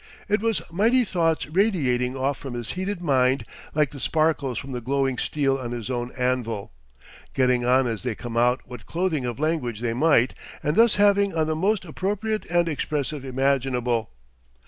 It was mighty thoughts radiating off from his heated mind like the sparkles from the glowing steel on his own anvil, getting on as they come out what clothing of language they might, and thus having on the most appropriate and expressive imaginable.